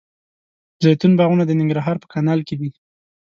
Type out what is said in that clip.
زیتون باغونه د ننګرهار په کانال کې دي.